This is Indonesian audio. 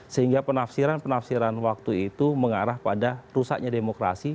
sehingga penafsiran penafsiran waktu itu mengarah pada rusaknya demokrasi